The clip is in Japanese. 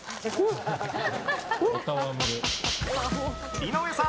井上さん